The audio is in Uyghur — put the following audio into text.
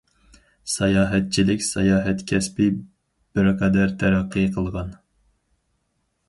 ساياھەتچىلىك ساياھەت كەسپى بىرقەدەر تەرەققىي قىلغان.